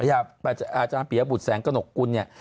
อาจารย์ปียบุตรแสงกระหนกกุลเนี่ย